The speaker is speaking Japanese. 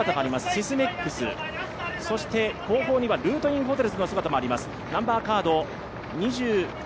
シスメックス、そして後方にはルートインホテルズの姿もあります。